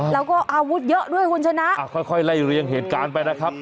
แล้วก็อาวุธเยอะด้วยคุณชนะค่อยไล่เรียงเหตุการณ์ไปนะครับ